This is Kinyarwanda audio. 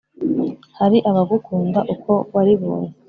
hari abagukunda uko wariboye